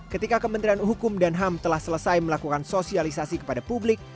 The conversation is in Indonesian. ketika kementerian hukum dan ham telah selesai melakukan sosialisasi kepada publik